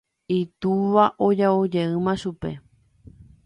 Itúva oja'ojeýma chupe.